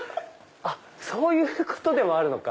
そういうことでもあるのか。